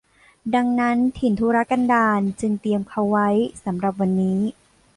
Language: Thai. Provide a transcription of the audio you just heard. ดังนั้นถิ่นทุรกันดารจึงเตรียมเขาไว้สำหรับวันนี้